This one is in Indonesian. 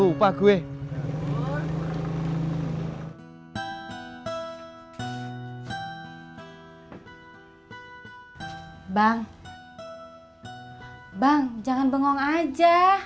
bang jangan bengong aja